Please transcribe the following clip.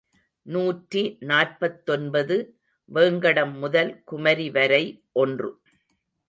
நூற்றி நாற்பத்தொன்று வேங்கடம் முதல் குமரி வரை ஒன்று.